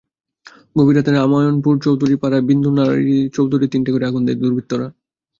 গভীর রাতে রামরায়পুর চৌধুরীপাড়ার বিন্দু চৌধুরীর তিনটি ঘরে আগুন দেয় দুর্বৃত্তরা।